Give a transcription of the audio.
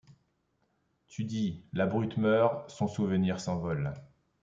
Tu dis :— La brute meurt ; son souvenir s’envole